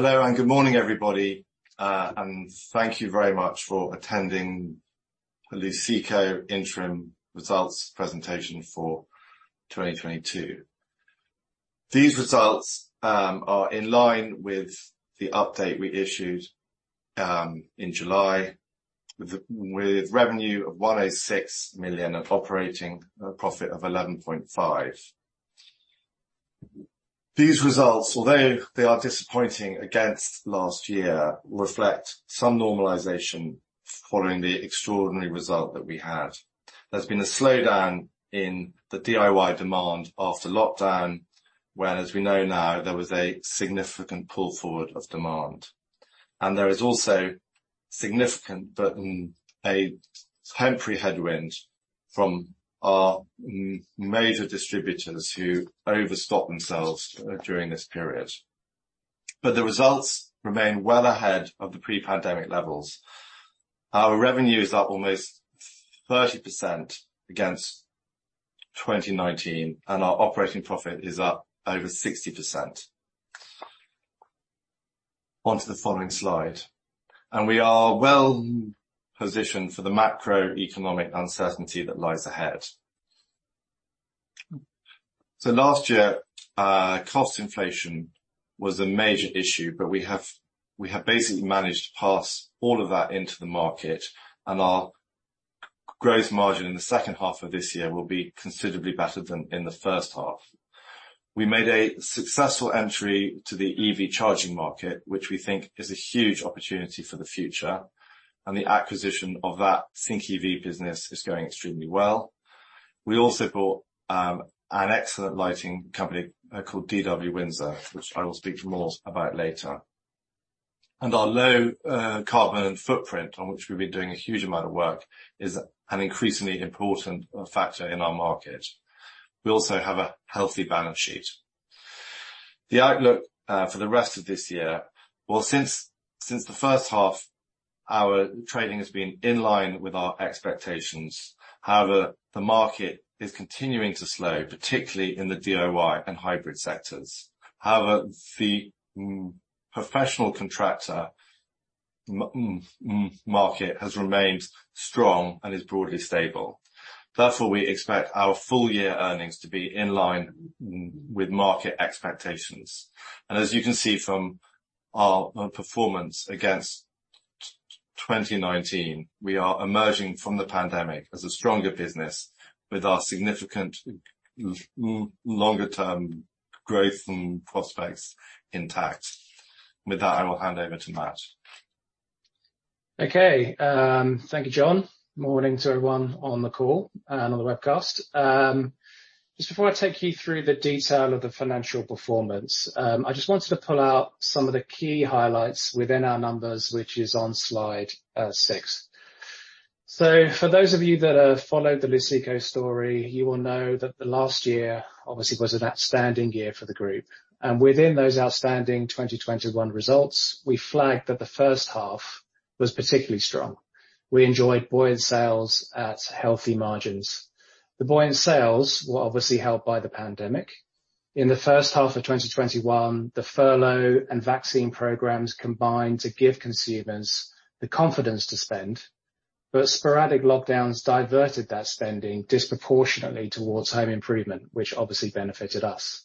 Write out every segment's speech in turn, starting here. Hello and good morning, everybody, and thank you very much for attending the Luceco Interim Results Presentation for 2022. These results are in line with the update we issued in July. With revenue of 186 million and operating profit of 11.5 million. These results, although they are disappointing against last year, reflect some normalization following the extraordinary result that we had. There's been a slowdown in the DIY demand after lockdown, where, as we know now, there was a significant pull forward of demand. There is also significant, but a temporary headwind from our major distributors who overstock themselves during this period. The results remain well ahead of the pre-pandemic levels. Our revenue is up almost 30% against 2019, and our operating profit is up over 60%. On to the following slide. We are well positioned for the macroeconomic uncertainty that lies ahead. Last year, cost inflation was a major issue, but we have basically managed to pass all of that into the market, and our gross margin in the second half of this year will be considerably better than in the first half. We made a successful entry to the EV charging market, which we think is a huge opportunity for the future, and the acquisition of that SyncEV business is going extremely well. We also bought an excellent lighting company called DW Windsor, which I will speak more about later. Our low carbon footprint on which we've been doing a huge amount of work is an increasingly important factor in our market. We also have a healthy balance sheet. The outlook for the rest of this year, since the first half, our trading has been in line with our expectations. However, the market is continuing to slow, particularly in the DIY and hybrid sectors. However, professional contractor market has remained strong and is broadly stable. Therefore, we expect our full year earnings to be in line with market expectations. As you can see from our performance against 2019, we are emerging from the pandemic as a stronger business with our significant longer term growth prospects intact. With that, I will hand over to Matt. Okay, thank you, John. Morning to everyone on the call and on the webcast. Just before I take you through the detail of the financial performance, I just wanted to pull out some of the key highlights within our numbers, which is on slide 6. For those of you that have followed the Luceco story, you will know that the last year obviously was an outstanding year for the group. Within those outstanding 2021 results, we flagged that the first half was particularly strong. We enjoyed buoyant sales at healthy margins. The buoyant sales were obviously helped by the pandemic. In the first half of 2021, the furlough and vaccine programs combined to give consumers the confidence to spend. Sporadic lockdowns diverted that spending disproportionately towards home improvement, which obviously benefited us.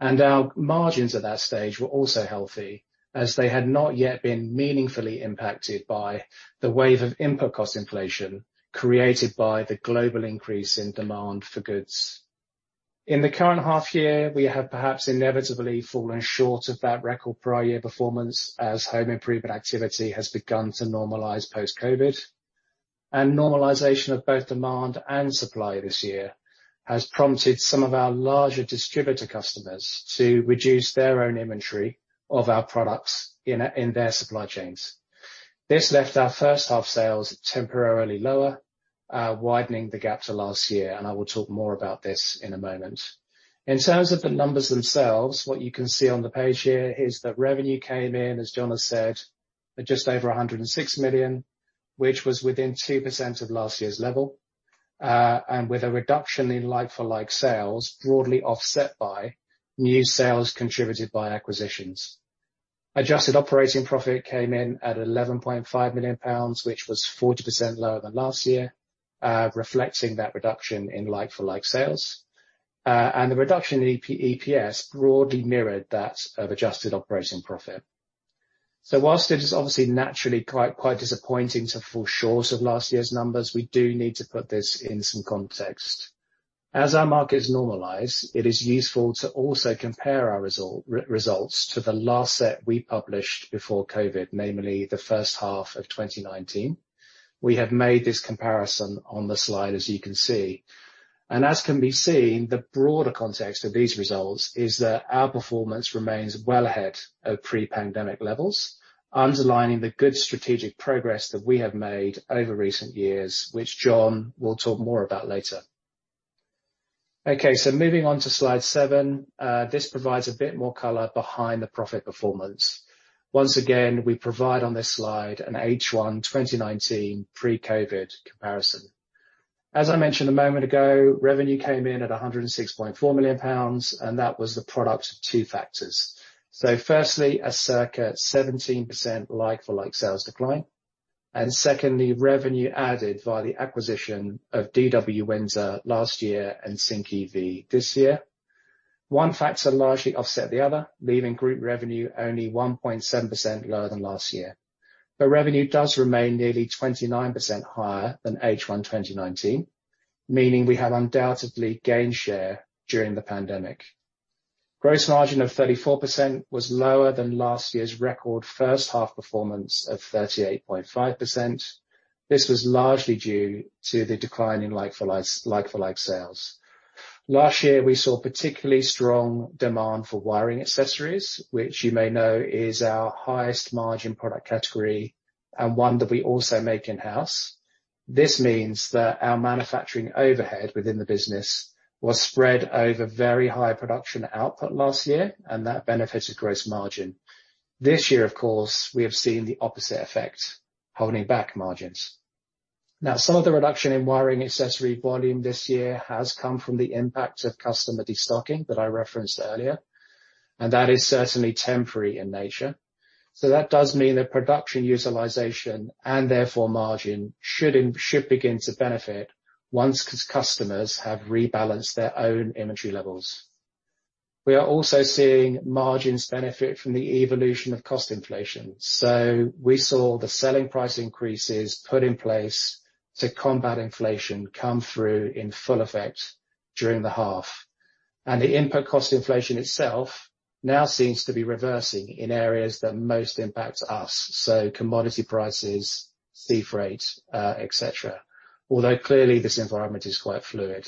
Our margins at that stage were also healthy, as they had not yet been meaningfully impacted by the wave of input cost inflation created by the global increase in demand for goods. In the current half year, we have perhaps inevitably fallen short of that record prior year performance as home improvement activity has begun to normalize post-COVID, and normalization of both demand and supply this year has prompted some of our larger distributor customers to reduce their own inventory of our products in their supply chains. This left our first half sales temporarily lower, widening the gap to last year, and I will talk more about this in a moment. In terms of the numbers themselves, what you can see on the page here is that revenue came in, as John has said, at just over 106 million, which was within 2% of last year's level, and with a reduction in like-for-like sales broadly offset by new sales contributed by acquisitions. Adjusted operating profit came in at 11.5 million pounds, which was 40% lower than last year, reflecting that reduction in like-for-like sales. And the reduction in EPS broadly mirrored that of adjusted operating profit. Whilst it is obviously naturally quite disappointing to fall short of last year's numbers, we do need to put this in some context. As our markets normalize, it is useful to also compare our results to the last set we published before COVID, namely the first half of 2019. We have made this comparison on the slide, as you can see. As can be seen, the broader context of these results is that our performance remains well ahead of pre-pandemic levels, underlining the good strategic progress that we have made over recent years, which John will talk more about later. Okay, moving on to Slide 7, this provides a bit more color behind the profit performance. Once again, we provide on this slide an H1 2019 pre-COVID comparison. As I mentioned a moment ago, revenue came in at 106.4 million pounds, and that was the product of two factors. Firstly, a circa 17% like-for-like sales decline, and secondly, revenue added via the acquisition of DW Windsor last year and SyncEV this year. One factor largely offset the other, leaving group revenue only 1.7% lower than last year. Revenue does remain nearly 29% higher than H1 2019, meaning we have undoubtedly gained share during the pandemic. Gross margin of 34% was lower than last year's record first half performance of 38.5%. This was largely due to the decline in like-for-like sales. Last year, we saw particularly strong demand for wiring accessories, which you may know is our highest margin product category and one that we also make in-house. This means that our manufacturing overhead within the business was spread over very high production output last year, and that benefited gross margin. This year, of course, we have seen the opposite effect, holding back margins. Now, some of the reduction in wiring accessory volume this year has come from the impact of customer destocking that I referenced earlier, and that is certainly temporary in nature. That does mean that production utilization and therefore margin should begin to benefit once customers have rebalanced their own inventory levels. We are also seeing margins benefit from the evolution of cost inflation. We saw the selling price increases put in place to combat inflation come through in full effect during the half. The input cost inflation itself now seems to be reversing in areas that most impact us, so commodity prices, sea freight, et cetera. Although clearly this environment is quite fluid.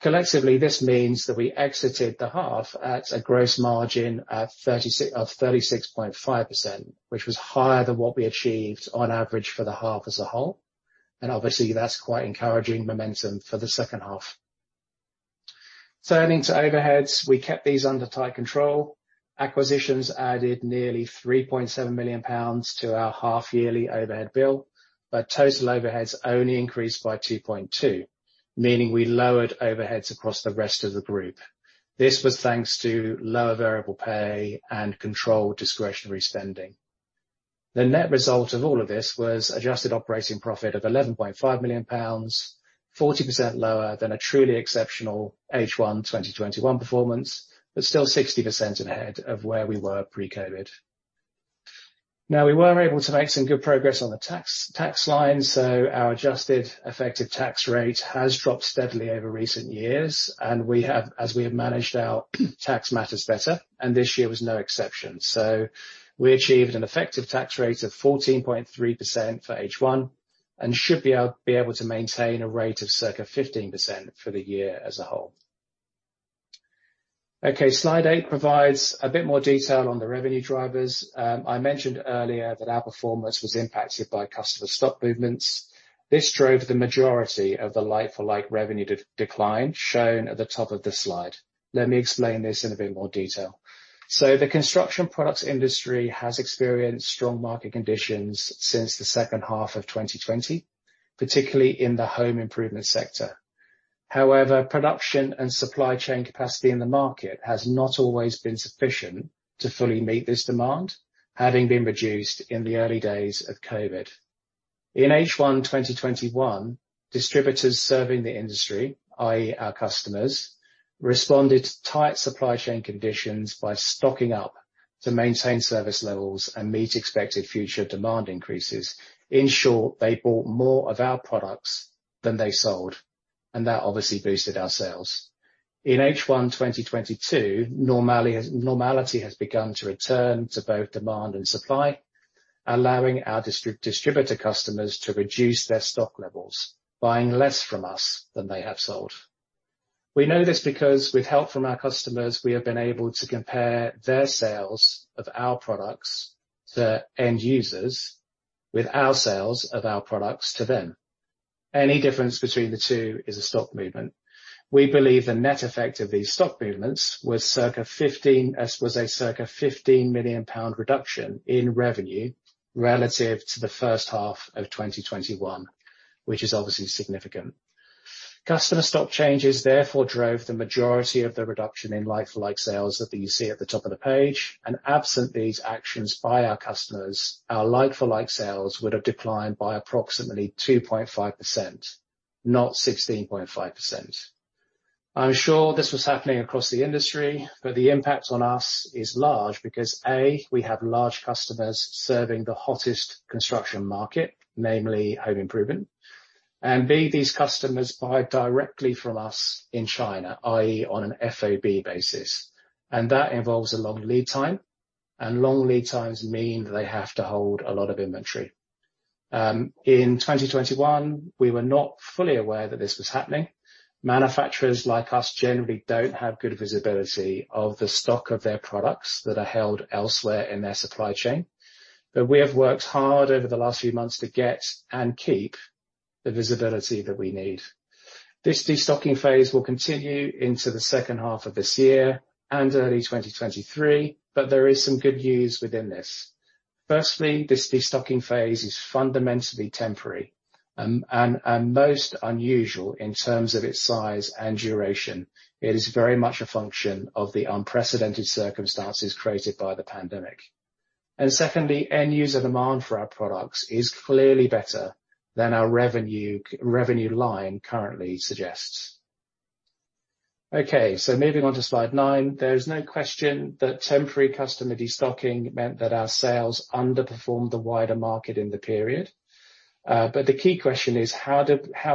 Collectively, this means that we exited the half at a gross margin of 36.5%, which was higher than what we achieved on average for the half as a whole, and obviously that's quite encouraging momentum for the second half. Turning to overheads, we kept these under tight control. Acquisitions added nearly 3.7 million pounds to our half yearly overhead bill, but total overheads only increased by 2.2 million, meaning we lowered overheads across the rest of the group. This was thanks to lower variable pay and controlled discretionary spending. The net result of all of this was adjusted operating profit of 11.5 million pounds, 40% lower than a truly exceptional H1 2021 performance, but still 60% ahead of where we were pre-COVID. Now, we were able to make some good progress on the tax line, so our adjusted effective tax rate has dropped steadily over recent years, and we have managed our tax matters better, and this year was no exception. We achieved an effective tax rate of 14.3% for H1 and should be able to maintain a rate of circa 15% for the year as a whole. Okay, slide eight provides a bit more detail on the revenue drivers. I mentioned earlier that our performance was impacted by customer stock movements. This drove the majority of the like-for-like revenue decline shown at the top of this slide. Let me explain this in a bit more detail. The construction products industry has experienced strong market conditions since the second half of 2020, particularly in the home improvement sector. However, production and supply chain capacity in the market has not always been sufficient to fully meet this demand, having been reduced in the early days of COVID. In H1 2021, distributors serving the industry, i.e., our customers, responded to tight supply chain conditions by stocking up to maintain service levels and meet expected future demand increases. In short, they bought more of our products than they sold, and that obviously boosted our sales. In H1 2022, normality has begun to return to both demand and supply, allowing our distributor customers to reduce their stock levels, buying less from us than they have sold. We know this because with help from our customers, we have been able to compare their sales of our products to end users with our sales of our products to them. Any difference between the two is a stock movement. We believe the net effect of these stock movements was a circa 15 million pound reduction in revenue relative to the first half of 2021, which is obviously significant. Customer stock changes therefore drove the majority of the reduction in like-for-like sales that you see at the top of the page, and absent these actions by our customers, our like-for-like sales would have declined by approximately 2.5%, not 16.5%. I'm sure this was happening across the industry, but the impact on us is large because, A, we have large customers serving the hottest construction market, namely home improvement. B, these customers buy directly from us in China, i.e., on an FOB basis, and that involves a long lead time, and long lead times mean they have to hold a lot of inventory. In 2021, we were not fully aware that this was happening. Manufacturers like us generally don't have good visibility of the stock of their products that are held elsewhere in their supply chain. We have worked hard over the last few months to get and keep the visibility that we need. This destocking phase will continue into the second half of this year and early 2023, but there is some good news within this. Firstly, this destocking phase is fundamentally temporary, and most unusual in terms of its size and duration. It is very much a function of the unprecedented circumstances created by the pandemic. Secondly, end user demand for our products is clearly better than our revenue line currently suggests. Okay, moving on to slide nine, there is no question that temporary customer destocking meant that our sales underperformed the wider market in the period. The key question is how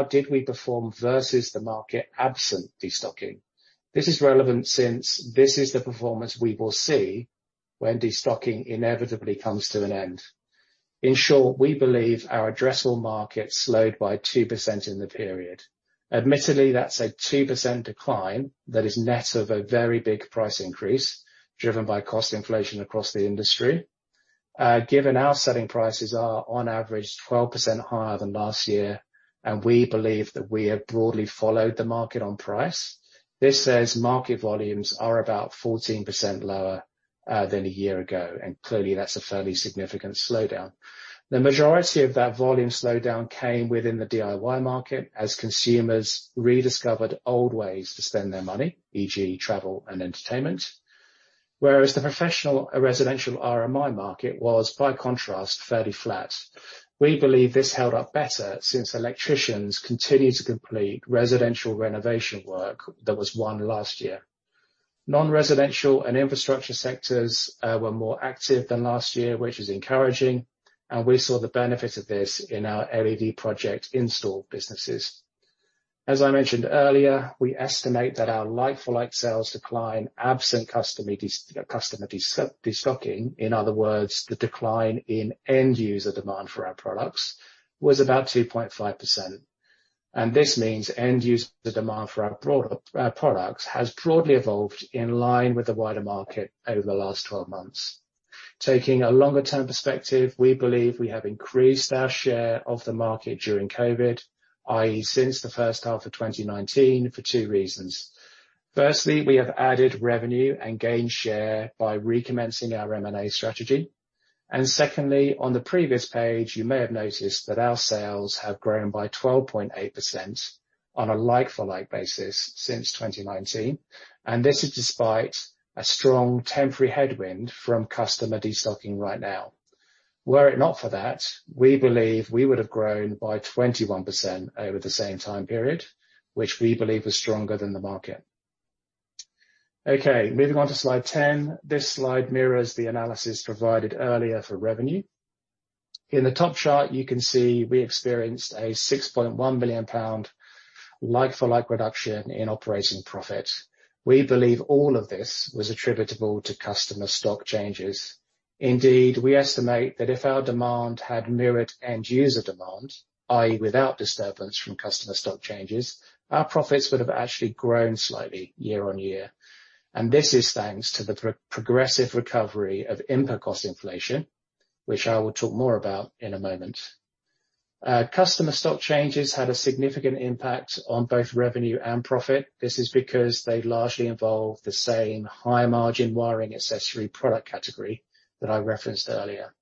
did we perform versus the market absent destocking? This is relevant since this is the performance we will see when destocking inevitably comes to an end. In short, we believe our addressable market slowed by 2% in the period. Admittedly, that's a 2% decline that is net of a very big price increase driven by cost inflation across the industry. Given our selling prices are on average 12% higher than last year, and we believe that we have broadly followed the market on price, this says market volumes are about 14% lower than a year ago, and clearly that's a fairly significant slowdown. The majority of that volume slowdown came within the DIY market as consumers rediscovered old ways to spend their money, e.g., travel and entertainment. Whereas the professional residential RMI market was, by contrast, fairly flat. We believe this held up better since electricians continued to complete residential renovation work that was won last year. Non-residential and infrastructure sectors were more active than last year, which is encouraging, and we saw the benefit of this in our LED project install businesses. As I mentioned earlier, we estimate that our like-for-like sales decline absent customer destocking, in other words, the decline in end user demand for our products, was about 2.5%. This means end user demand for our products has broadly evolved in line with the wider market over the last 12 months. Taking a longer-term perspective, we believe we have increased our share of the market during COVID, i.e., since the first half of 2019 for two reasons. Firstly, we have added revenue and gained share by recommencing our M&A strategy. Secondly, on the previous page, you may have noticed that our sales have grown by 12.8% on a like-for-like basis since 2019, and this is despite a strong temporary headwind from customer destocking right now. Were it not for that, we believe we would have grown by 21% over the same time period, which we believe is stronger than the market. Okay, moving on to slide 10. This slide mirrors the analysis provided earlier for revenue. In the top chart, you can see we experienced a 6.1 million pound like-for-like reduction in operating profit. We believe all of this was attributable to customer stock changes. Indeed, we estimate that if our demand had mirrored end user demand, i.e., without disturbance from customer stock changes, our profits would have actually grown slightly year on year. This is thanks to the progressive recovery of input cost inflation, which I will talk more about in a moment. Customer stock changes had a significant impact on both revenue and profit. This is because they largely involve the same high margin wiring accessory product category that I referenced earlier.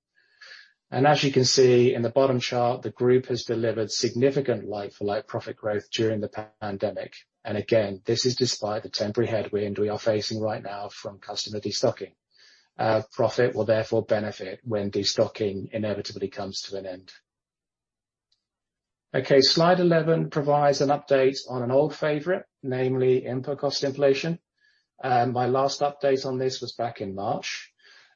As you can see in the bottom chart, the group has delivered significant like-for-like profit growth during the pandemic. Again, this is despite the temporary headwind we are facing right now from customer destocking. Profit will therefore benefit when destocking inevitably comes to an end. Okay, slide 11 provides an update on an old favorite, namely input cost inflation. My last update on this was back in March.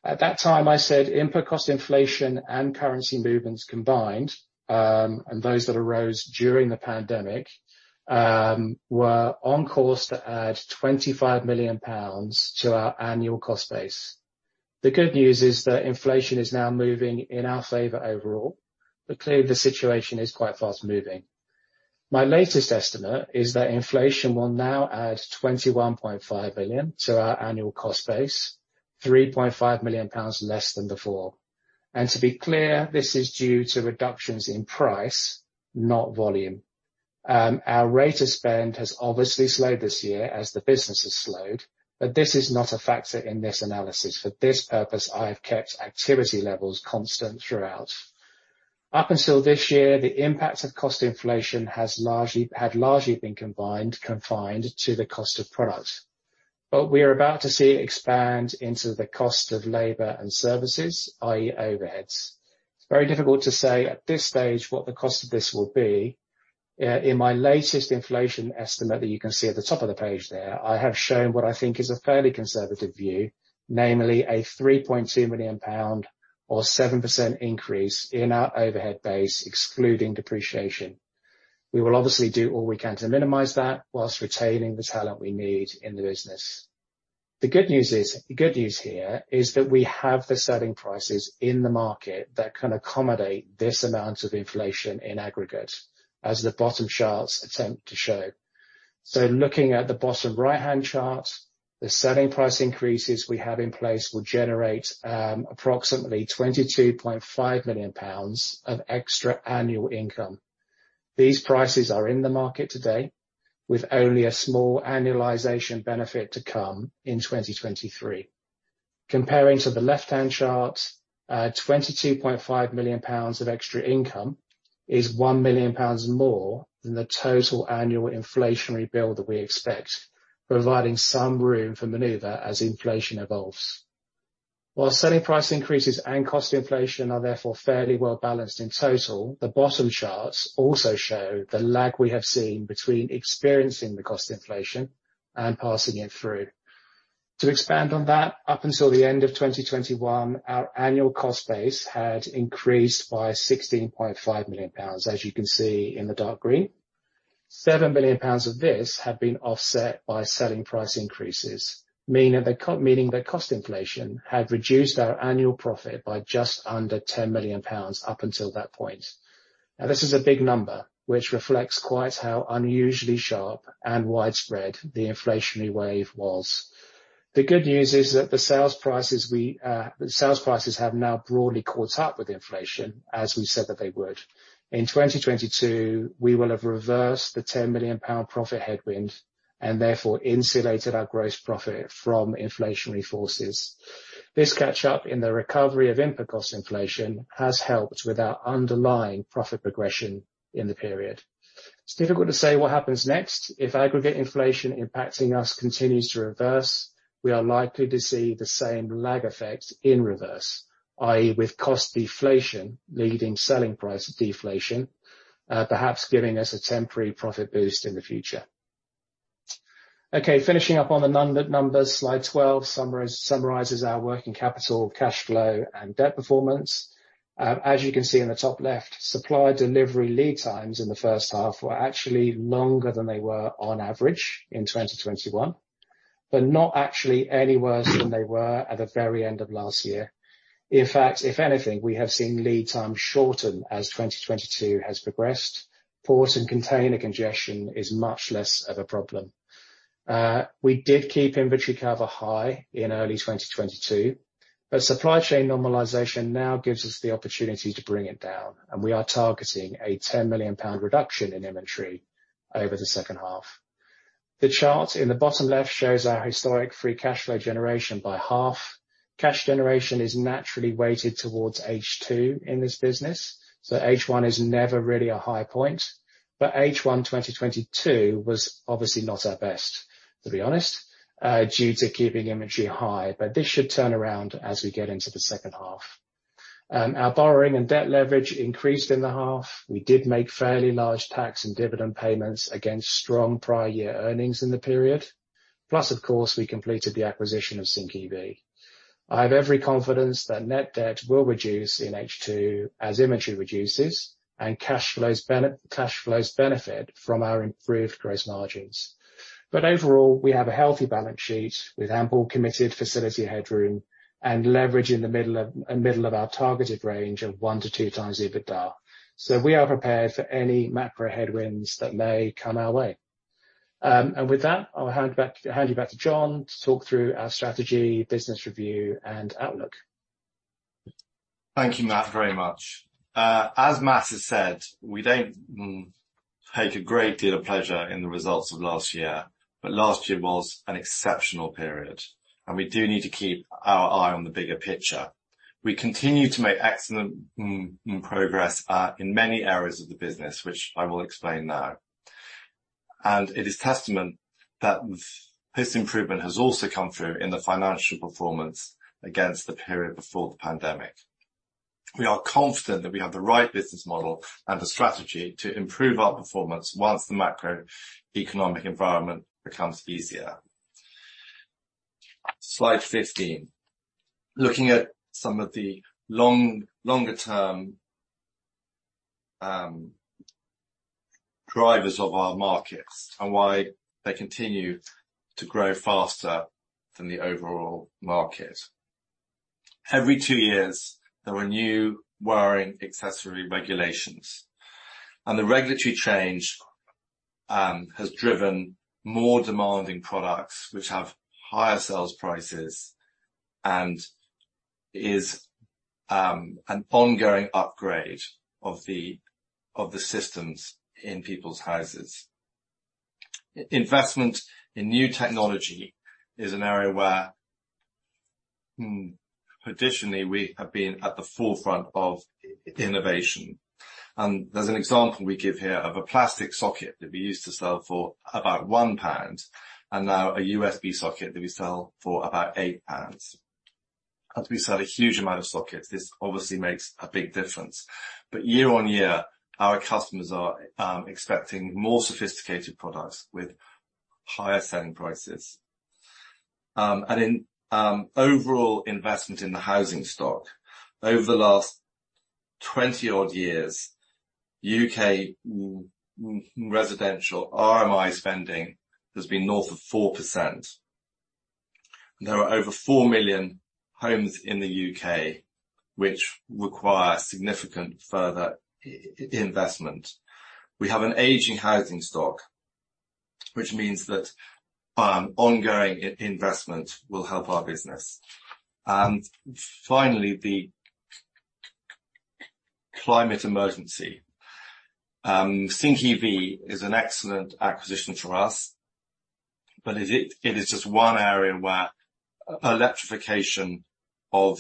At that time, I said input cost inflation and currency movements combined, and those that arose during the pandemic, were on course to add 25 million pounds to our annual cost base. The good news is that inflation is now moving in our favor overall, but clearly the situation is quite fast-moving. My latest estimate is that inflation will now add 21.5 million to our annual cost base, 3.5 million pounds less than before. To be clear, this is due to reductions in price, not volume. Our rate of spend has obviously slowed this year as the business has slowed, but this is not a factor in this analysis. For this purpose, I have kept activity levels constant throughout. Up until this year, the impact of cost inflation had largely been confined to the cost of product. We are about to see it expand into the cost of labor and services, i.e., overheads. It's very difficult to say at this stage what the cost of this will be. In my latest inflation estimate that you can see at the top of the page there, I have shown what I think is a fairly conservative view, namely a 3.2 million pound or 7% increase in our overhead base, excluding depreciation. We will obviously do all we can to minimize that while retaining the talent we need in the business. The good news here is that we have the selling prices in the market that can accommodate this amount of inflation in aggregate, as the bottom charts attempt to show. Looking at the bottom right-hand chart, the selling price increases we have in place will generate approximately 22.5 million pounds of extra annual income. These prices are in the market today with only a small annualization benefit to come in 2023. Comparing to the left-hand chart, 22.5 million pounds of extra income is 1 million pounds more than the total annual inflationary bill that we expect, providing some room for maneuver as inflation evolves. While selling price increases and cost inflation are therefore fairly well-balanced in total, the bottom charts also show the lag we have seen between experiencing the cost inflation and passing it through. To expand on that, up until the end of 2021, our annual cost base had increased by 16.5 million pounds, as you can see in the dark green. 7 million pounds of this have been offset by selling price increases, meaning the cost inflation had reduced our annual profit by just under 10 million pounds up until that point. Now, this is a big number, which reflects quite how unusually sharp and widespread the inflationary wave was. The good news is that the sales prices have now broadly caught up with inflation, as we said that they would. In 2022, we will have reversed the 10 million pound profit headwind, and therefore insulated our gross profit from inflationary forces. This catch up in the recovery of input cost inflation has helped with our underlying profit progression in the period. It's difficult to say what happens next. If aggregate inflation impacting us continues to reverse, we are likely to see the same lag effect in reverse, i.e., with cost deflation leading selling price deflation, perhaps giving us a temporary profit boost in the future. Okay, finishing up on the non-numbers. Slide 12 summarizes our working capital, cash flow, and debt performance. As you can see in the top left, supplier delivery lead times in the first half were actually longer than they were on average in 2021, but not actually any worse than they were at the very end of last year. In fact, if anything, we have seen lead time shorten as 2022 has progressed. Port and container congestion is much less of a problem. We did keep inventory cover high in early 2022, but supply chain normalization now gives us the opportunity to bring it down, and we are targeting a 10 million pound reduction in inventory over the second half. The chart in the bottom left shows our historic free cash flow generation by half. Cash generation is naturally weighted towards H2 in this business, so H1 is never really a high point, but H1 2022 was obviously not our best, to be honest, due to keeping inventory high. This should turn around as we get into the second half. Our borrowing and debt leverage increased in the half. We did make fairly large tax and dividend payments against strong prior year earnings in the period. Plus, of course, we completed the acquisition of SyncEV. I have every confidence that net debt will reduce in H2 as inventory reduces and cash flows benefit from our improved gross margins. Overall, we have a healthy balance sheet with ample committed facility headroom and leverage in the middle of our targeted range of 1x-2x EBITDA. We are prepared for any macro headwinds that may come our way. With that, I'll hand you back to John to talk through our strategy, business review, and outlook. Thank you, Matt, very much. As Matt has said, we don't take a great deal of pleasure in the results of last year, but last year was an exceptional period, and we do need to keep our eye on the bigger picture. We continue to make excellent progress in many areas of the business, which I will explain now. It is testament that this improvement has also come through in the financial performance against the period before the pandemic. We are confident that we have the right business model and the strategy to improve our performance once the macroeconomic environment becomes easier. Slide 15. Looking at some of the longer term drivers of our markets and why they continue to grow faster than the overall market. Every two years, there are new wiring accessory regulations. The regulatory change has driven more demanding products which have higher sales prices and is an ongoing upgrade of the systems in people's houses. Investment in new technology is an area where traditionally we have been at the forefront of innovation. There's an example we give here of a plastic socket that we used to sell for about 1 pound, and now a USB socket that we sell for about 8 pounds. As we sell a huge amount of sockets, this obviously makes a big difference. Year-on-year, our customers are expecting more sophisticated products with higher selling prices. In overall investment in the housing stock over the last 20-odd years, U.K. residential RMI spending has been north of 4%. There are over 4 million homes in the U.K. which require significant further investment. We have an aging housing stock, which means that ongoing investment will help our business. Finally, the climate emergency. SyncEV is an excellent acquisition for us, but it is just one area where electrification of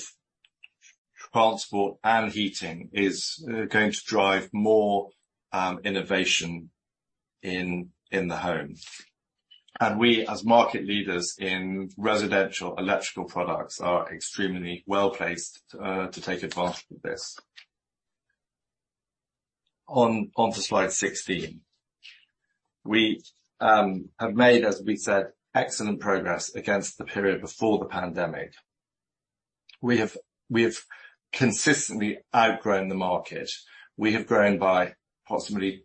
transport and heating is going to drive more innovation in the home. We, as market leaders in residential electrical products, are extremely well-placed to take advantage of this. On to slide 16. We have made, as we said, excellent progress against the period before the pandemic. We have consistently outgrown the market. We have grown by approximately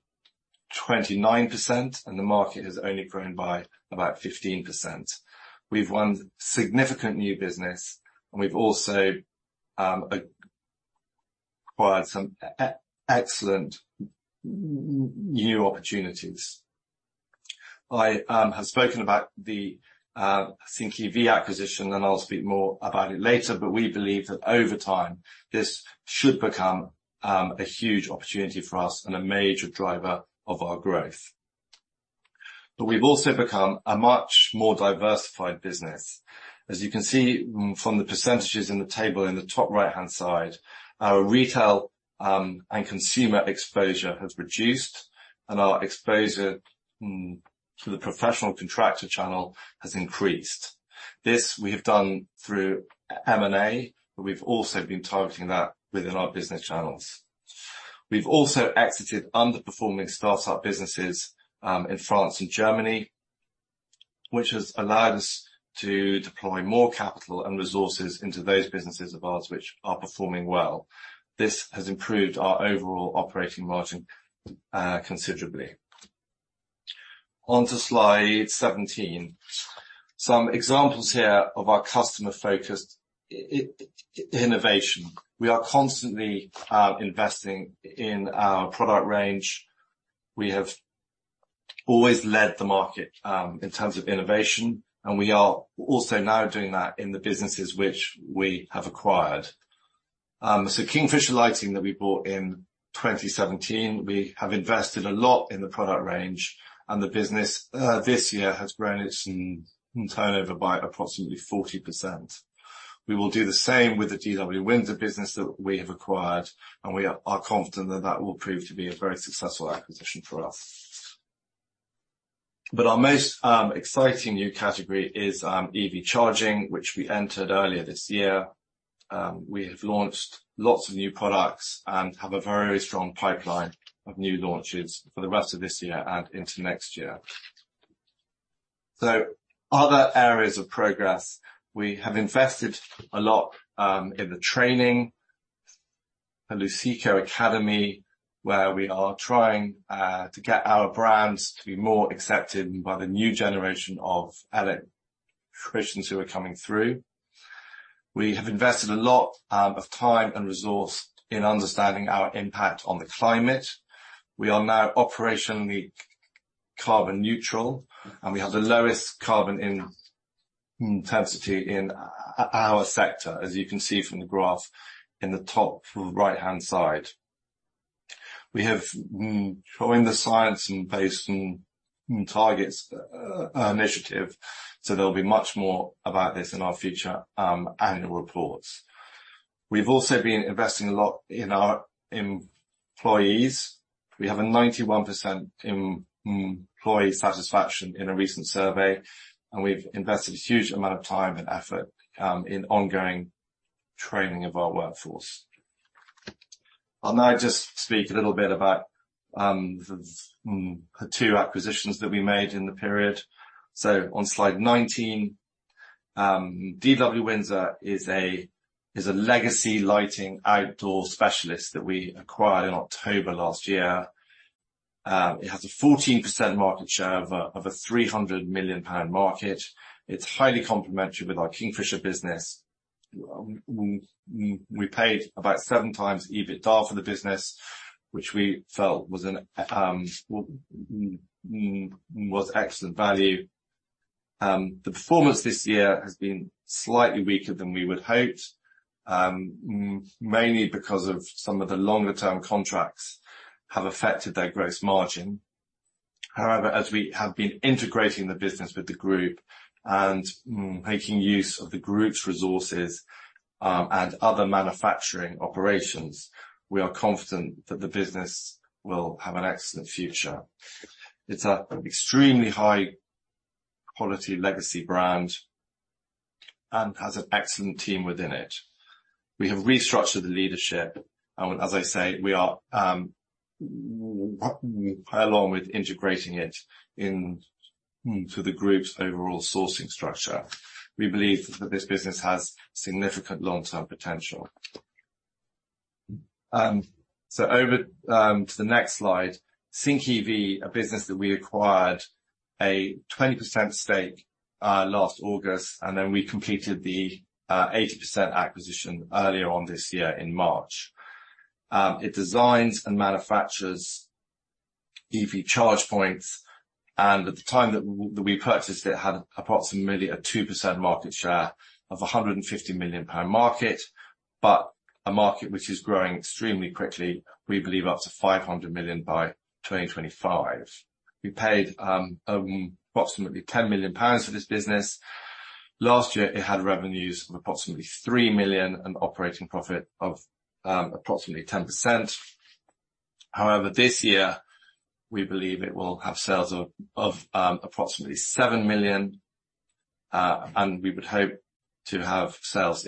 29%, and the market has only grown by about 15%. We've won significant new business, and we've also acquired some excellent new opportunities. I have spoken about the SyncEV acquisition, and I'll speak more about it later, but we believe that over time, this should become a huge opportunity for us and a major driver of our growth. We've also become a much more diversified business. As you can see from the percentages in the table in the top right-hand side, our retail and consumer exposure has reduced, and our exposure to the professional contractor channel has increased. This we have done through M&A, but we've also been targeting that within our business channels. We've also exited underperforming start-up businesses in France and Germany, which has allowed us to deploy more capital and resources into those businesses of ours which are performing well. This has improved our overall operating margin considerably. On to slide 17. Some examples here of our customer-focused innovation. We are constantly investing in our product range. We have always led the market in terms of innovation, and we are also now doing that in the businesses which we have acquired. Kingfisher Lighting that we bought in 2017, we have invested a lot in the product range and the business, this year has grown its turnover by approximately 40%. We will do the same with the DW Windsor business that we have acquired, and we are confident that that will prove to be a very successful acquisition for us. Our most exciting new category is EV charging, which we entered earlier this year. We have launched lots of new products and have a very strong pipeline of new launches for the rest of this year and into next year. Other areas of progress, we have invested a lot in the training, the Luceco Academy, where we are trying to get our brands to be more accepted by the new generation of electricians who are coming through. We have invested a lot of time and resource in understanding our impact on the climate. We are now operationally carbon neutral, and we have the lowest carbon intensity in our sector, as you can see from the graph in the top right-hand side. We have joined the Science Based Targets initiative, so there will be much more about this in our future annual reports. We've also been investing a lot in our employees. We have a 91% employee satisfaction in a recent survey, and we've invested a huge amount of time and effort in ongoing training of our workforce. I'll now just speak a little bit about the two acquisitions that we made in the period. On slide 19, DW Windsor is a legacy lighting outdoor specialist that we acquired in October last year. It has a 14% market share of a 300 million pound market. It's highly complementary with our Kingfisher business. We paid about 7x EBITDA for the business, which we felt was an excellent value. The performance this year has been slightly weaker than we would hoped, mainly because of some of the longer-term contracts have affected their gross margin. However, as we have been integrating the business with the group and making use of the group's resources and other manufacturing operations, we are confident that the business will have an excellent future. It's an extremely high-quality legacy brand and has an excellent team within it. We have restructured the leadership, and as I say, we are working along with integrating it in to the group's overall sourcing structure. We believe that this business has significant long-term potential. Over to the next slide. SyncEV, a business that we acquired a 20% stake last August, and then we completed the 80% acquisition earlier on this year in March. It designs and manufactures EV charge points, and at the time that we purchased it had approximately a 2% market share of a 150 million market, but a market which is growing extremely quickly. We believe up to 500 million by 2025. We paid approximately 10 million pounds for this business. Last year it had revenues of approximately 3 million and operating profit of approximately 10%. However, this year we believe it will have sales of approximately 7 million, and we would hope to have in-house sales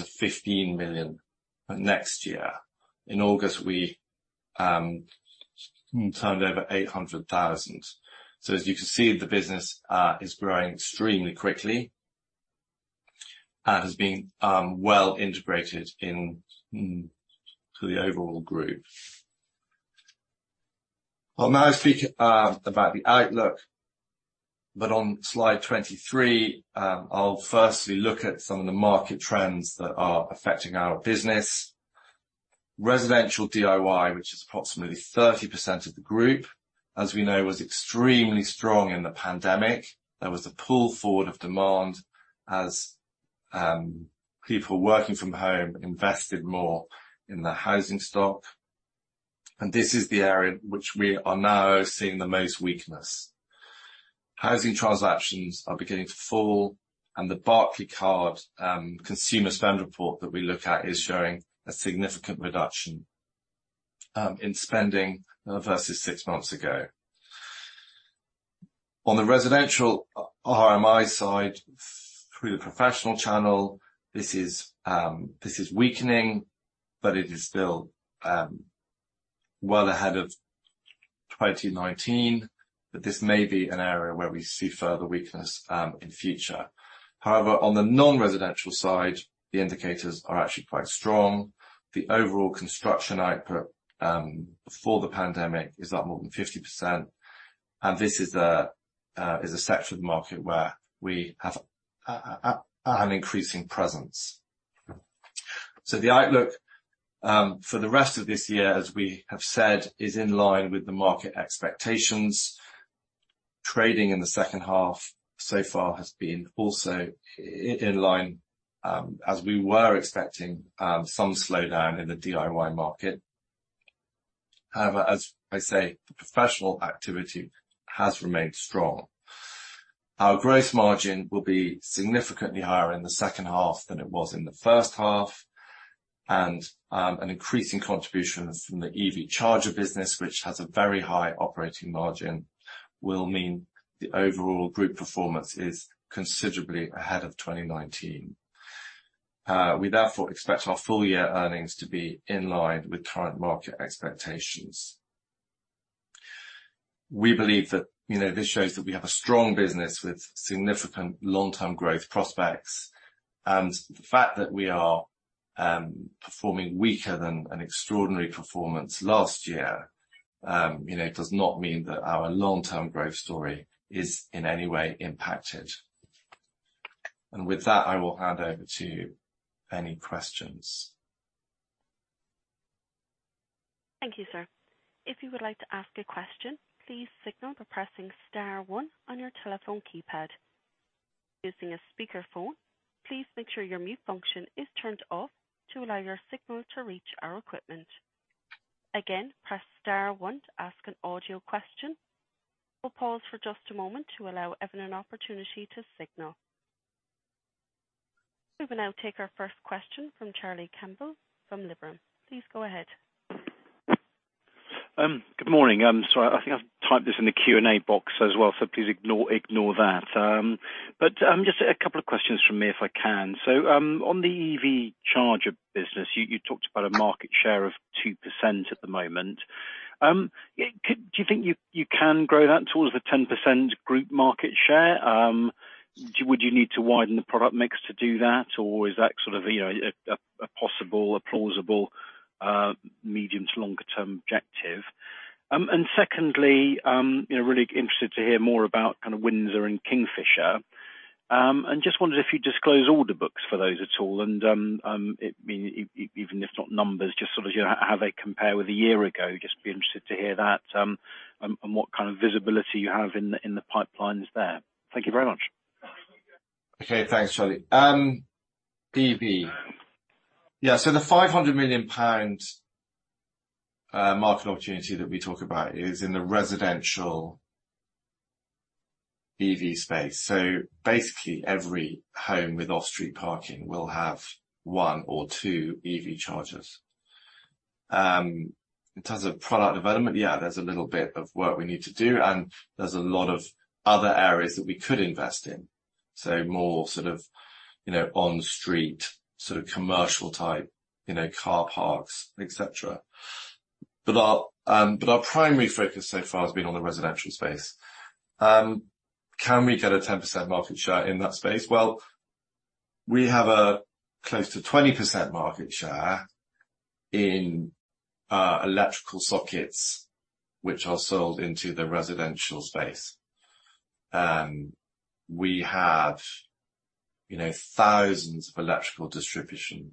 of 15 million next year. In August, we turned over 800,000. As you can see, the business is growing extremely quickly and has been well integrated into the overall group. I'll now speak about the outlook, but on slide 23, I'll firstly look at some of the market trends that are affecting our business. Residential DIY, which is approximately 30% of the group, as we know, was extremely strong in the pandemic. There was a pull forward of demand as people working from home invested more in the housing stock. This is the area which we are now seeing the most weakness. Housing transactions are beginning to fall, and the Barclaycard consumer spend report that we look at is showing a significant reduction in spending versus six months ago. On the residential RMI side, through the professional channel, this is weakening, but it is still well ahead of 2019. This may be an area where we see further weakness in future. However, on the non-residential side, the indicators are actually quite strong. The overall construction output before the pandemic is up more than 50%, and this is a sector of the market where we have an increasing presence. The outlook for the rest of this year, as we have said, is in line with the market expectations. Trading in the second half so far has been also in line, as we were expecting, some slowdown in the DIY market. However, as I say, the professional activity has remained strong. Our gross margin will be significantly higher in the second half than it was in the first half. An increasing contribution from the EV charger business, which has a very high operating margin, will mean the overall group performance is considerably ahead of 2019. We therefore expect our full year earnings to be in line with current market expectations. We believe that, you know, this shows that we have a strong business with significant long-term growth prospects. The fact that we are performing weaker than an extraordinary performance last year, you know, does not mean that our long-term growth story is in any way impacted. With that, I will hand over to any questions. Thank you, sir. If you would like to ask a question, please signal by pressing star one on your telephone keypad. Using a speaker phone, please make sure your mute function is turned off to allow your signal to reach our equipment. Again, press star one to ask an audio question. We'll pause for just a moment to allow everyone an opportunity to signal. We will now take our first question from Charlie Campbell from Liberum. Please go ahead. Good morning. I'm sorry, I think I've typed this in the Q&A box as well, so please ignore that. Just a couple of questions from me if I can. On the EV charger business, you talked about a market share of 2% at the moment. Do you think you can grow that towards the 10% group market share? Would you need to widen the product mix to do that, or is that sort of, you know, a possible or plausible medium to longer term objective? Secondly, you know, really interested to hear more about kind of DW Windsor and Kingfisher Lighting, and just wondered if you disclose order books for those at all and, it may even if not numbers, just sort of, you know, how they compare with a year ago. Just be interested to hear that, and what kind of visibility you have in the pipelines there. Thank you very much. Thanks, Charlie. The GBP 500 million market opportunity that we talk about is in the residential EV space. Basically every home with off-street parking will have one or two EV chargers. In terms of product development, there's a little bit of work we need to do, and there's a lot of other areas that we could invest in. More sort of, you know, on street sort of commercial type, you know, car parks, et cetera. Our primary focus so far has been on the residential space. Can we get a 10% market share in that space? Well, we have a close to 20% market share in electrical sockets which are sold into the residential space. We have, you know, thousands of electrical distribution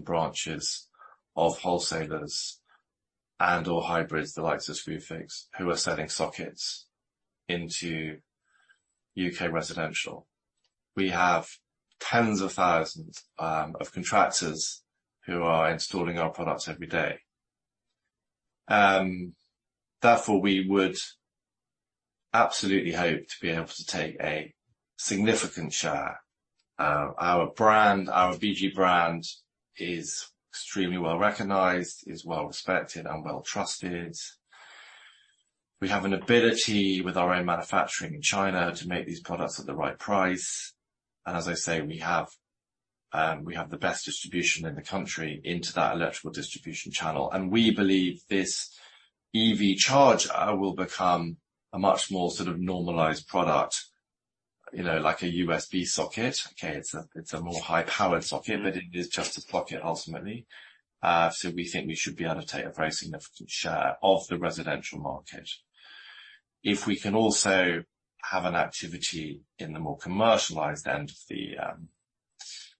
branches of wholesalers and/or hybrids, the likes of Screwfix, who are selling sockets into U.K. residential. We have tens of thousands of contractors who are installing our products every day. Therefore, we would absolutely hope to be able to take a significant share. Our brand, our BG brand is extremely well-recognized, is well-respected and well-trusted. We have an ability with our own manufacturing in China to make these products at the right price. As I say, we have the best distribution in the country into that electrical distribution channel. We believe this EV charger will become a much more sort of normalized product, you know, like a USB socket. Okay, it's a more high-powered socket, but it is just a socket, ultimately. We think we should be able to take a very significant share of the residential market. If we can also have an activity in the more commercialized end of the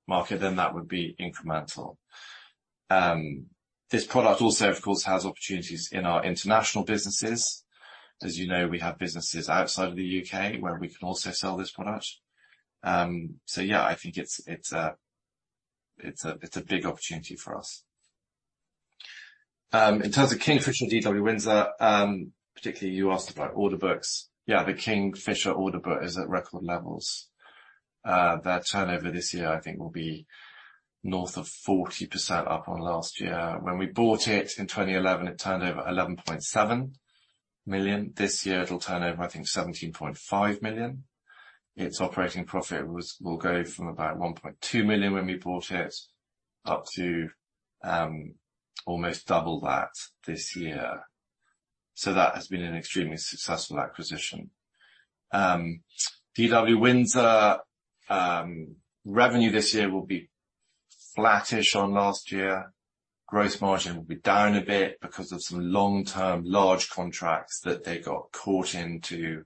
market, then that would be incremental. This product also, of course, has opportunities in our international businesses. As you know, we have businesses outside of the U.K. Where we can also sell this product. Yeah, I think it's a big opportunity for us. In terms of Kingfisher and DW Windsor, particularly you asked about order books. Yeah, the Kingfisher order book is at record levels. Their turnover this year I think will be north of 40% up on last year. When we bought it in 2011, it turned over 11.7 million. This year it'll turn over, I think, 17.5 million. Its operating profit will go from about 1.2 million when we bought it, up to almost double that this year. That has been an extremely successful acquisition. DW Windsor revenue this year will be flattish on last year. Gross margin will be down a bit because of some long-term large contracts that they got caught into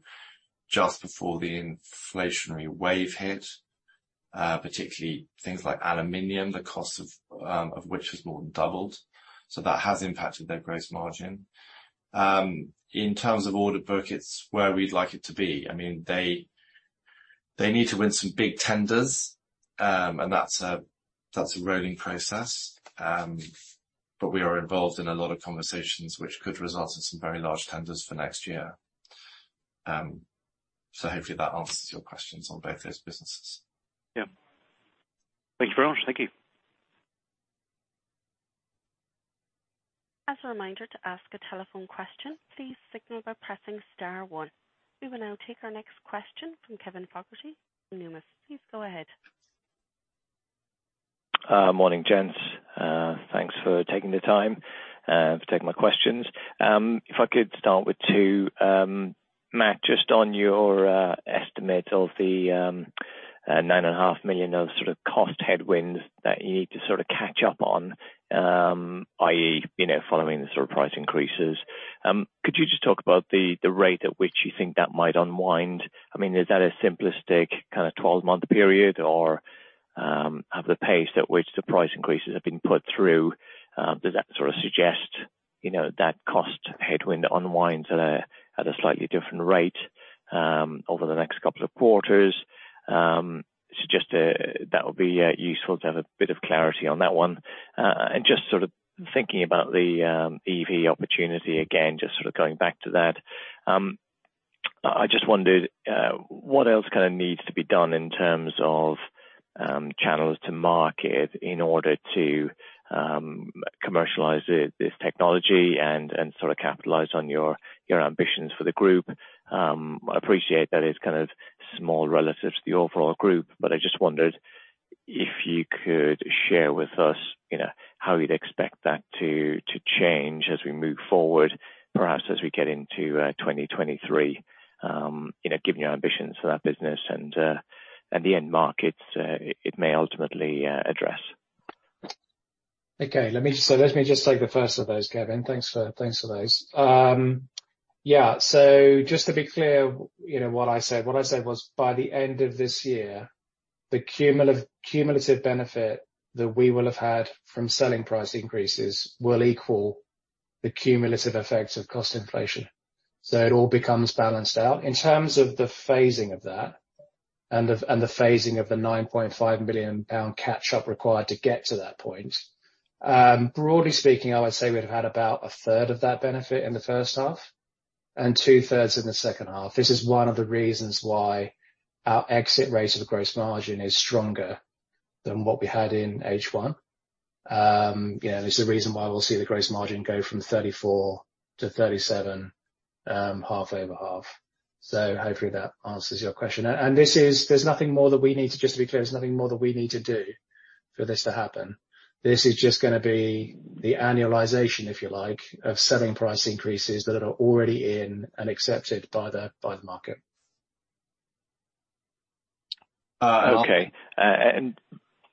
just before the inflationary wave hit, particularly things like aluminum, the cost of which has more than doubled. That has impacted their gross margin. In terms of order book, it's where we'd like it to be. I mean, they need to win some big tenders, and that's a rolling process. We are involved in a lot of conversations which could result in some very large tenders for next year. Hopefully that answers your questions on both those businesses. Yeah. Thank you very much. Thank you. As a reminder to ask a telephone question, please signal by pressing star one. We will now take our next question from Kevin Fogarty from Numis. Please go ahead. Morning, gents. Thanks for taking the time to take my questions. If I could start with two. Matt, just on your estimate of the 9.5 million of sort of cost headwinds that you need to sort of catch up on, i.e., you know, following the sort of price increases. Could you just talk about the rate at which you think that might unwind? I mean, is that a simplistic kinda 12-month period? Or, have the pace at which the price increases have been put through, does that sort of suggest, you know, that cost headwind unwinds at a slightly different rate over the next couple of quarters? It's just that would be useful to have a bit of clarity on that one. Just sort of thinking about the EV opportunity again, just sort of going back to that. I just wondered what else kinda needs to be done in terms of channels to market in order to commercialize this technology and sorta capitalize on your ambitions for the group. I appreciate that it's kind of small relative to the overall group, but I just wondered if you could share with us, you know, how you'd expect that to change as we move forward, perhaps as we get into 2023, you know, given your ambitions for that business and the end markets it may ultimately address. Let me just take the first of those, Kevin. Thanks for those. Yeah. Just to be clear, you know what I said. What I said was, by the end of this year, the cumulative benefit that we will have had from selling price increases will equal the cumulative effects of cost inflation. It all becomes balanced out. In terms of the phasing of that and the phasing of the 9.5 million pound catch-up required to get to that point, broadly speaking, I would say we'd have had about 1/3 of that benefit in the first half and 2/3 in the second half. This is one of the reasons why our exit rates of gross margin is stronger than what we had in H1. You know, this is the reason why we'll see the gross margin go from 34%-37% half over half. Hopefully that answers your question. Just to be clear, there's nothing more that we need to do for this to happen. This is just gonna be the annualization, if you like, of selling price increases that are already in and accepted by the market. Okay.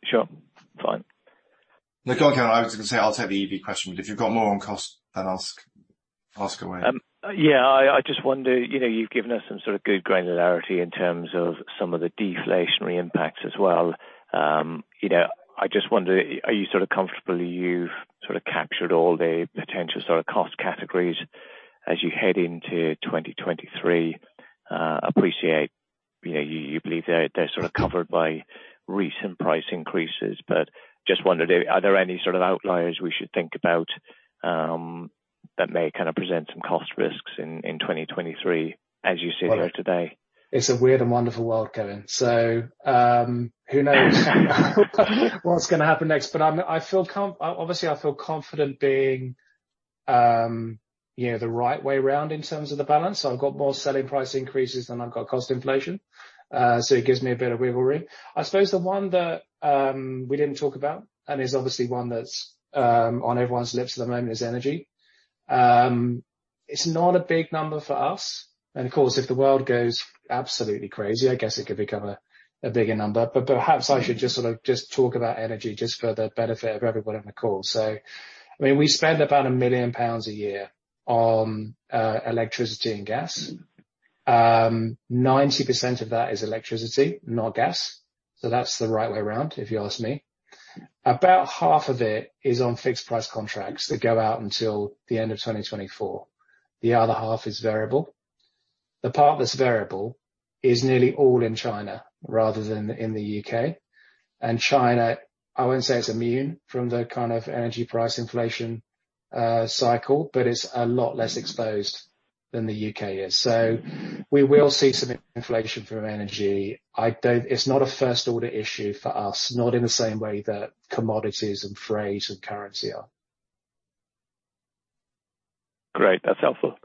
Sure. Fine. No, go on, Kevin. I was gonna say, I'll take the EV question, but if you've got more on cost, then ask away. Yeah, I just wonder, you know, you've given us some sort of good granularity in terms of some of the deflationary impacts as well. You know, I just wonder, are you sort of comfortable you've sort of captured all the potential sort of cost categories as you head into 2023? Appreciate, you know, you believe they're sort of covered by recent price increases, but just wondered, are there any sort of outliers we should think about, that may kind of present some cost risks in 2023 as you sit here today? It's a weird and wonderful world, Kevin. Who knows what's gonna happen next. I feel confident being, you know, the right way round in terms of the balance. I've got more selling price increases than I've got cost inflation. It gives me a bit of wiggle room. I suppose the one that we didn't talk about, and is obviously one that's on everyone's lips at the moment, is energy. It's not a big number for us, and of course, if the world goes absolutely crazy, I guess it could become a bigger number. Perhaps I should just sort of talk about energy just for the benefit of everyone on the call. I mean, we spend about 1 million pounds a year on electricity and gas. 90% of that is electricity, not gas, so that's the right way around, if you ask me. About half of it is on fixed price contracts that go out until the end of 2024. The other half is variable. The part that's variable is nearly all in China rather than in the U.K. China, I won't say it's immune from the kind of energy price inflation cycle, but it's a lot less exposed than the U.K. is. We will see some inflation from energy. It's not a first-order issue for us, not in the same way that commodities and freight and currency are. Great. That's helpful.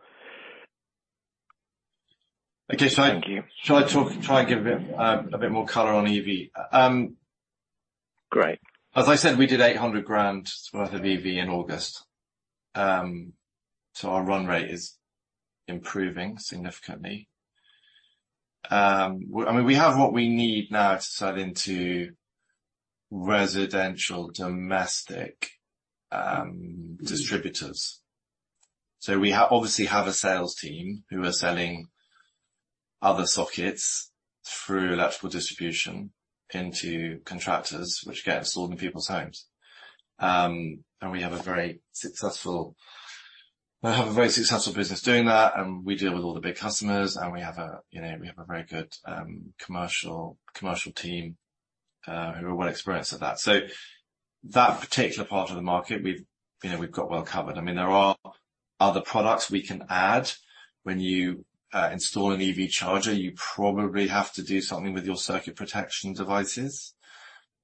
Okay. Thank you. Shall I try and give a bit more color on EV? Great. As I said, we did 800,000 worth of EV in August. Our run rate is improving significantly. I mean, we have what we need now to sell into residential domestic distributors. We obviously have a sales team who are selling other sockets through electrical distribution into contractors, which get installed in people's homes. We have a very successful business doing that, and we deal with all the big customers, and we have a very good commercial team who are well experienced at that. That particular part of the market, you know, we've got well covered. I mean, there are other products we can add. When you install an EV charger, you probably have to do something with your circuit protection devices.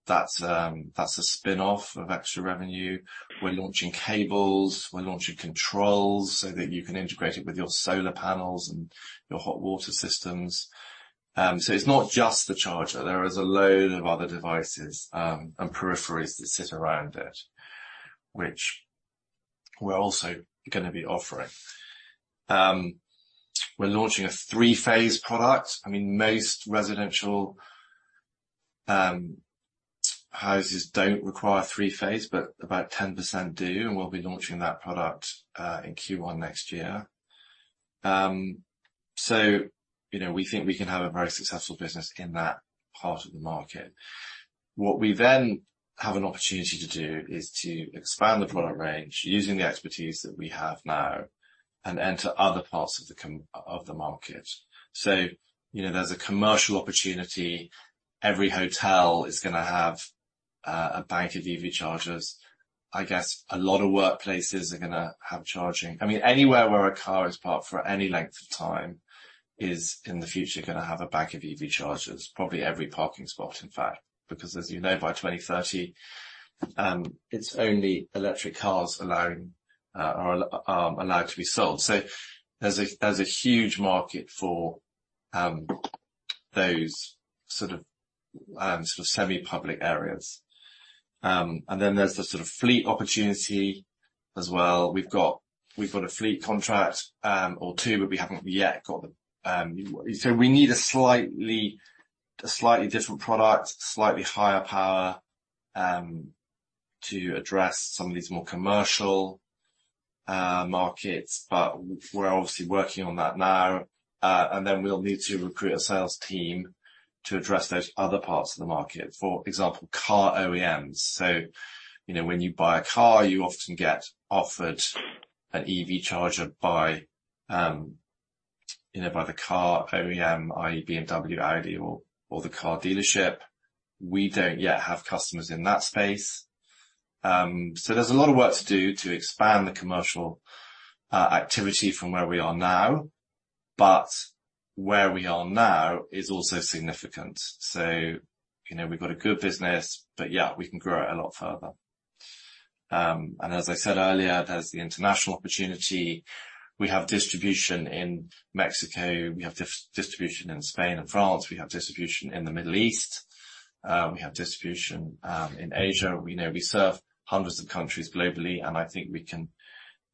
That's a spin-off of extra revenue. We're launching cables, we're launching controls so that you can integrate it with your solar panels and your hot water systems. So it's not just the charger. There is a load of other devices and peripherals that sit around it, which we're also gonna be offering. We're launching a three-phase product. I mean, most residential houses don't require three-phase, but about 10% do, and we'll be launching that product in Q1 next year. You know, we think we can have a very successful business in that part of the market. What we then have an opportunity to do is to expand the product range using the expertise that we have now and enter other parts of the market. You know, there's a commercial opportunity. Every hotel is gonna have a bank of EV chargers. I guess a lot of workplaces are gonna have charging. I mean, anywhere where a car is parked for any length of time is, in the future, gonna have a bank of EV chargers, probably every parking spot, in fact. Because as you know, by 2030, it's only electric cars are allowed to be sold. There's a huge market for those sort of semi-public areas. And then there's the sort of fleet opportunity as well. We've got a fleet contract or two, but we haven't yet got the. We need a slightly different product, slightly higher power to address some of these more commercial markets, but we're obviously working on that now. We'll need to recruit a sales team to address those other parts of the market, for example, car OEMs. You know, when you buy a car, you often get offered an EV charger by, you know, by the car OEM, i.e. BMW, Audi or the car dealership. We don't yet have customers in that space. There's a lot of work to do to expand the commercial activity from where we are now. Where we are now is also significant. You know, we've got a good business, but yeah, we can grow it a lot further. As I said earlier, there's the international opportunity. We have distribution in Mexico, we have distribution in Spain and France, we have distribution in the Middle East, we have distribution in Asia. We know we serve hundreds of countries globally, and I think we can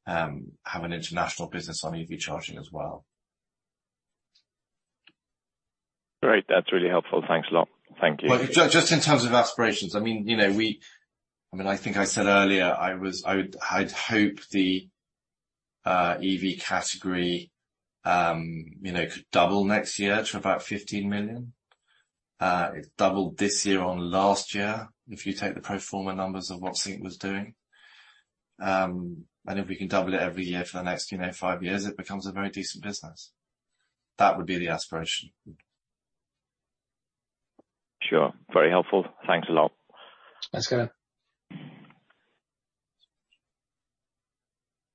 have an international business on EV charging as well. Great. That's really helpful. Thanks a lot. Thank you. Well, just in terms of aspirations, I mean, you know, I mean, I think I said earlier I'd hope the EV category, you know, could double next year to about 15 million. It doubled this year on last year, if you take the pro forma numbers of what SyncEV was doing. And if we can double it every year for the next, you know, five years, it becomes a very decent business. That would be the aspiration. Sure. Very helpful. Thanks a lot. Thanks, Kevin.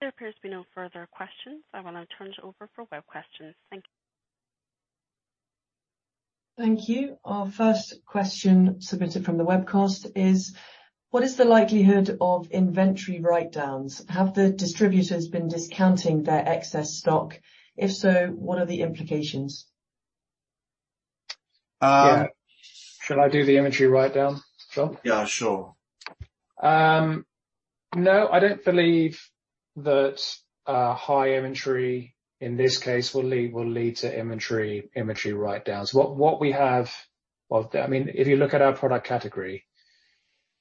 There appears to be no further questions. I want to turn it over for web questions. Thank you. Thank you. Our first question submitted from the webcast is, what is the likelihood of inventory write-downs? Have the distributors been discounting their excess stock? If so, what are the implications? Um- Yeah. Should I do the inventory write-down, John? Yeah, sure. No, I don't believe that high inventory in this case will lead to inventory write-downs. Well, I mean, if you look at our product category,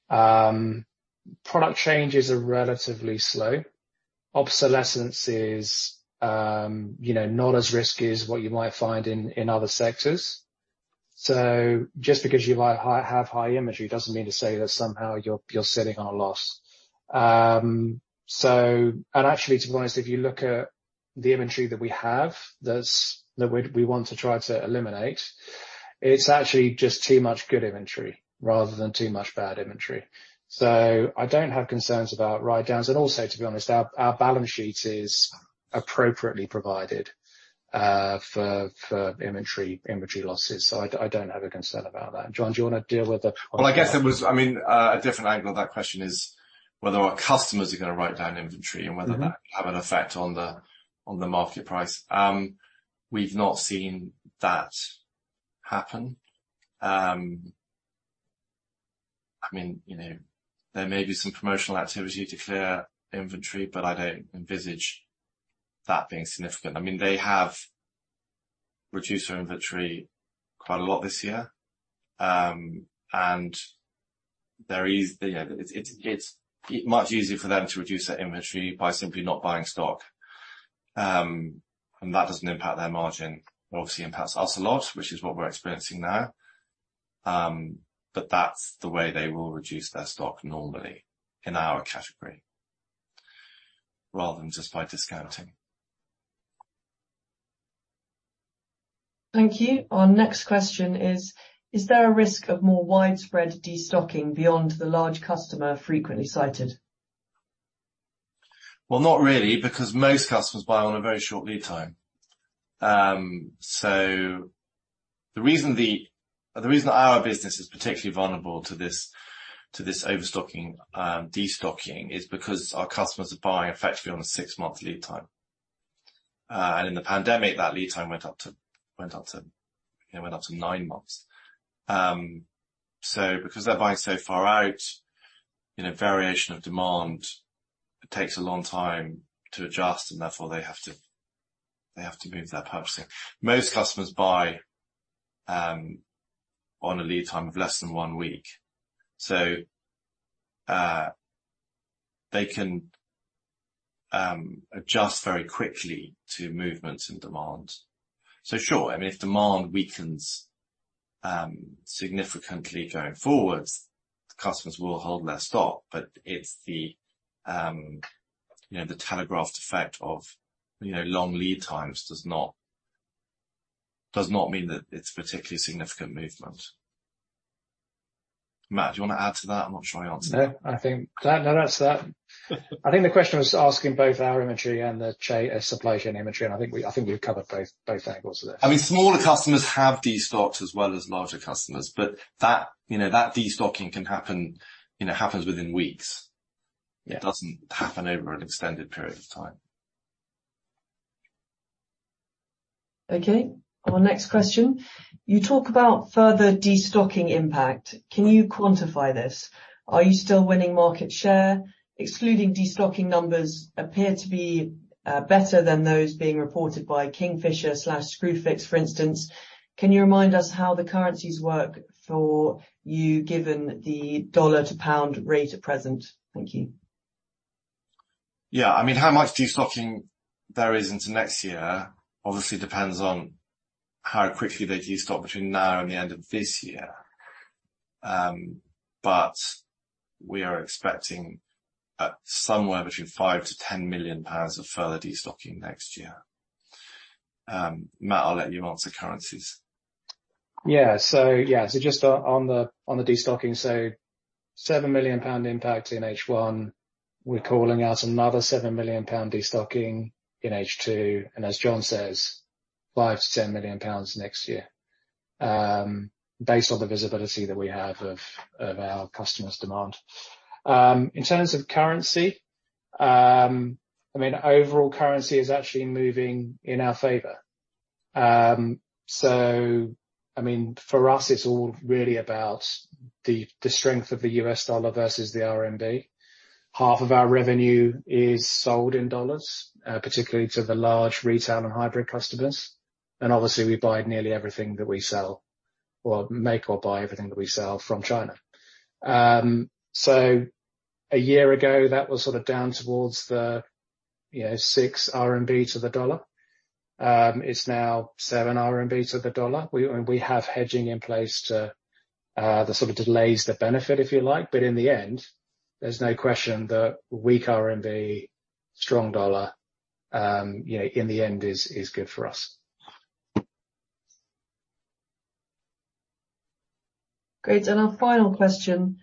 product changes are relatively slow. Obsolescence is, you know, not as risky as what you might find in other sectors. Just because you might have high inventory doesn't mean to say that somehow you're sitting on a loss. Actually, to be honest, if you look at the inventory that we have that's that we want to try to eliminate, it's actually just too much good inventory rather than too much bad inventory. I don't have concerns about write-downs. Also, to be honest, our balance sheet is appropriately provided for inventory losses. I don't have a concern about that. John, do you wanna deal with the? I mean, a different angle to that question is whether our customers are gonna write down inventory and whether that will have an effect on the market price. We've not seen that happen. I mean, you know, there may be some promotional activity to clear inventory, but I don't envisage that being significant. I mean, they have reduced their inventory quite a lot this year. You know, it's much easier for them to reduce their inventory by simply not buying stock. That doesn't impact their margin. It obviously impacts us a lot, which is what we're experiencing now. That's the way they will reduce their stock normally in our category, rather than just by discounting. Thank you. Our next question is there a risk of more widespread destocking beyond the large customer frequently cited? Well, not really, because most customers buy on a very short lead time. The reason our business is particularly vulnerable to this overstocking, destocking is because our customers are buying effectively on a six-month lead time. In the pandemic, that lead time went up to you know nine months. Because they're buying so far out, you know, variation of demand takes a long time to adjust, and therefore they have to move their purchasing. Most customers buy on a lead time of less than one week, so they can adjust very quickly to movements in demand. Sure, I mean, if demand weakens significantly going forward, customers will hold their stock. It's the, you know, the telegraphed effect of, you know, long lead times does not mean that it's a particularly significant movement. Matt, do you wanna add to that? I'm not sure I answered that. No, that's that. I think the question was asking both our inventory and the supply chain inventory, and I think we've covered both angles of it. I mean, smaller customers have destocked as well as larger customers, but that destocking, you know, happens within weeks. Yeah. It doesn't happen over an extended period of time. Okay, our next question. You talk about further destocking impact. Can you quantify this? Are you still winning market share? Excluding destocking numbers appear to be better than those being reported by Kingfisher/Screwfix, for instance. Can you remind us how the currencies work for you, given the dollar to pound rate at present? Thank you. Yeah. I mean, how much destocking there is into next year obviously depends on how quickly they destock between now and the end of this year. We are expecting somewhere between 5 million-10 million pounds of further destocking next year. Matt, I'll let you answer currencies. Just on the destocking. 7 million pound impact in H1. We're calling out another 7 million pound destocking in H2, and as John says, 5 million-10 million pounds next year, based on the visibility that we have of our customers' demand. In terms of currency, I mean, overall currency is actually moving in our favor. I mean, for us, it's all really about the strength of the U.S. dollar versus the RMB. Half of our revenue is sold in dollars, particularly to the large retail and hybrid customers, and obviously we buy nearly everything that we sell from China. A year ago, that was sort of down towards the, you know, 6 RMB to the dollar. It's now 7 RMB to the dollar. We have hedging in place to sort of delay the benefit, if you like. In the end, there's no question that weak RMB, strong dollar, you know, in the end is good for us. Great. Our final question.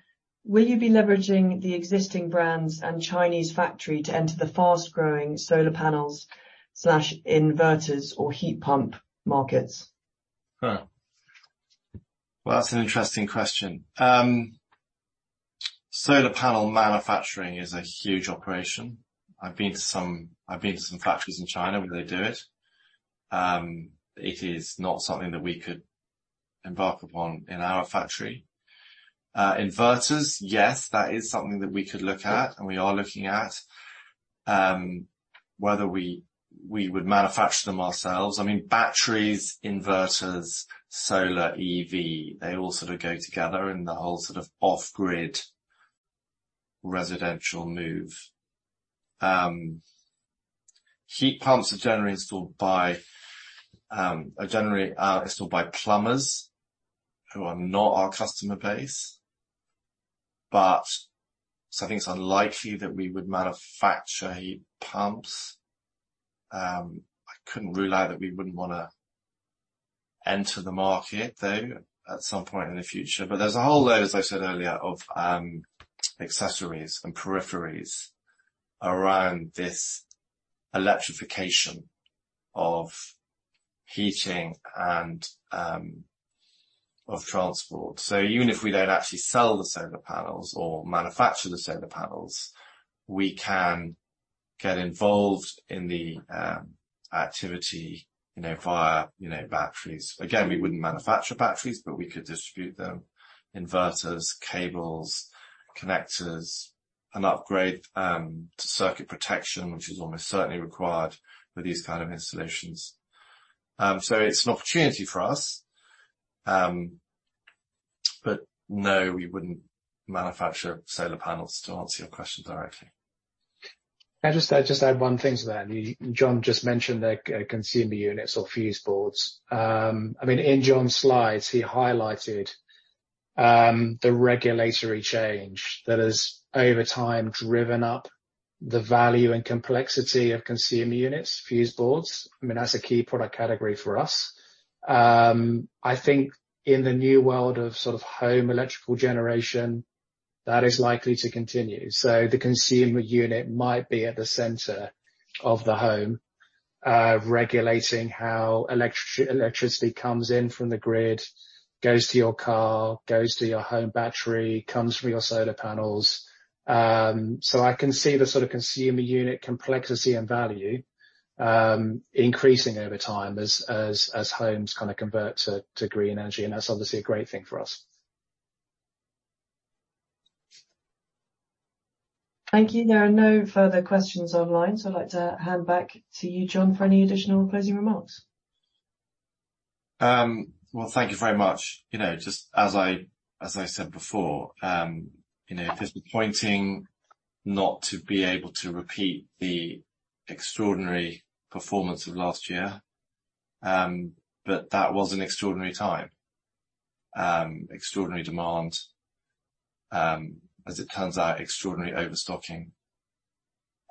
Will you be leveraging the existing brands and Chinese factory to enter the fast-growing solar panels/inverters or heat pump markets? Well, that's an interesting question. Solar panel manufacturing is a huge operation. I've been to some factories in China where they do it. It is not something that we could embark upon in our factory. Inverters, yes, that is something that we could look at and we are looking at whether we would manufacture them ourselves. I mean, batteries, inverters, solar, EV, they all sort of go together in the whole sort of off-grid residential move. Heat pumps are generally installed by plumbers who are not our customer base. I think it's unlikely that we would manufacture heat pumps. I couldn't rule out that we wouldn't wanna enter the market, though, at some point in the future. There's a whole load, as I said earlier, of accessories and peripheries around this electrification of heating and of transport. Even if we don't actually sell the solar panels or manufacture the solar panels, we can get involved in the activity, you know, via, you know, batteries. Again, we wouldn't manufacture batteries, but we could distribute them. Inverters, cables, connectors, and upgrade to circuit protection, which is almost certainly required for these kind of installations. It's an opportunity for us, but no, we wouldn't manufacture solar panels, to answer your question directly. I just add one thing to that. John just mentioned the consumer units or fuse boards. I mean, in John's slides, he highlighted the regulatory change that has over time driven up the value and complexity of consumer units, fuse boards. I mean, that's a key product category for us. I think in the new world of sort of home electrical generation, that is likely to continue. The consumer unit might be at the center of the home, regulating how electricity comes in from the grid, goes to your car, goes to your home battery, comes from your solar panels. I can see the sort of consumer unit complexity and value increasing over time as homes kinda convert to green energy, and that's obviously a great thing for us. Thank you. There are no further questions online, so I'd like to hand back to you, John, for any additional closing remarks. Well, thank you very much. You know, just as I said before, you know, disappointing not to be able to repeat the extraordinary performance of last year, but that was an extraordinary time, extraordinary demand, as it turns out, extraordinary overstocking.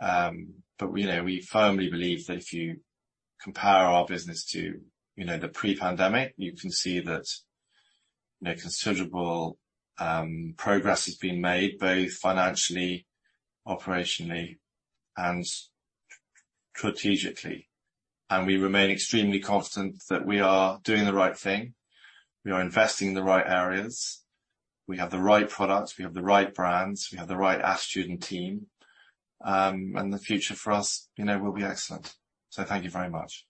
You know, we firmly believe that if you compare our business to, you know, the pre-pandemic, you can see that, you know, considerable progress has been made both financially, operationally, and strategically. We remain extremely confident that we are doing the right thing. We are investing in the right areas. We have the right products. We have the right brands. We have the right astute team. The future for us, you know, will be excellent. Thank you very much.